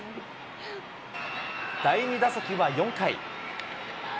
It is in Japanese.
第２打席は４回。